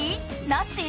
なし？